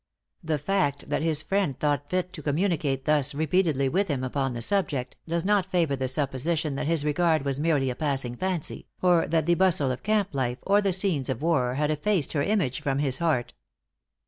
The fact that his friend thought fit to communicate thus repeatedly with him upon the subject, does not favor the supposition that his regard was merely a passing fancy, or that the bustle of camp life, or the scenes of war, had effaced her image from his heart.